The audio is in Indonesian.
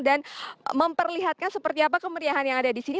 dan memperlihatkan seperti apa kemeriahan yang ada di sini